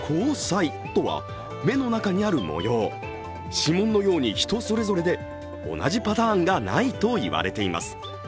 指紋のように人それぞれで、同じパターンがないと言われています。